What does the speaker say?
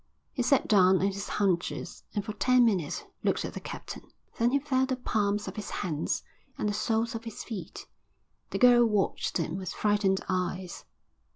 He sat down on his haunches and for ten minutes looked at the captain. Then he felt the palms of his hands and the soles of his feet. The girl watched him with frightened eyes.